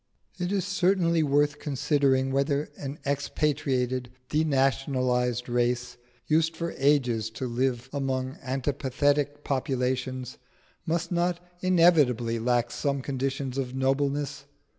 It is certainly worth considering whether an expatriated, denationalised race, used for ages to live among antipathetic populations, must not inevitably lack some conditions of nobleness.